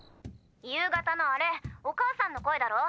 ☎夕方のあれお母さんの声だろ？